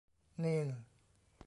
นีล